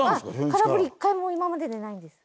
空振り一回も今まででないです。